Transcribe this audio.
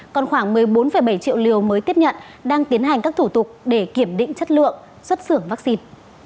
còn khoảng một mươi bốn bảy triệu liều mới tiếp nhận đang tiến hành các thủ tục để kiểm định chất lượng xuất xưởng vaccine